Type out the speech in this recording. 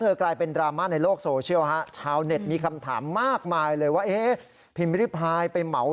เอ๊ะพีมริพายไปเหมา